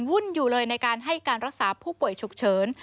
วุ่นอยู่เลยในการให้การรักษาผู้ป่วยฉุกเฉิน